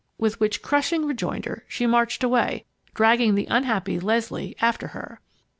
With which crushing rejoinder she marched away, dragging the unhappy Leslie after her.